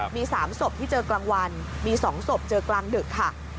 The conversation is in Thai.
มี๓ศพที่เจอกลางวันมี๒ศพเจอกลางดึกค่ะ